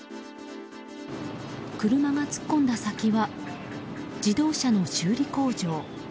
車が突っ込んだ先は自動車の修理工場。